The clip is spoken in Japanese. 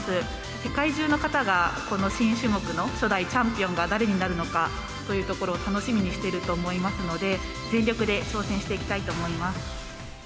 世界中の方がこの新種目の初代チャンピオンが誰になるのかというところを楽しみにしていると思いますので、全力で挑戦していきたいと思います。